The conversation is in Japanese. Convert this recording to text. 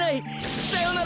さよなら！